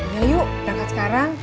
ya yuk bangat sekarang